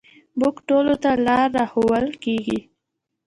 موږ ټولو ته لاره راښوول کېږي.